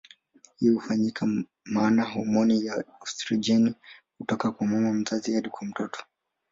Hii hufanyika maana homoni ya estrojeni hutoka kwa mama mzazi hadi kwa mtoto.